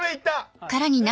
はい。